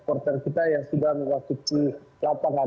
supporter kita yang sudah masuk di lapangan